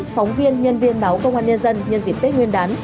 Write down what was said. phóng viên nhân viên máu công an nhân dân nhân dịp tết nguyên đán